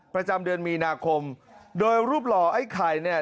ประจำเดือนมีนาคมโดยรูปหล่อไอ้ไข่เนี่ย